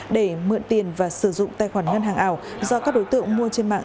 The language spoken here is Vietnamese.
để mượn tiền và sử dụng tài khoản ngân hàng ảo do các đối tượng mua trên mạng